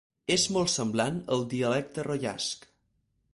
És molt semblant al dialecte roiasc.